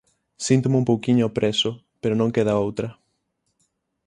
Síntome un pouquiño preso, pero non queda outra.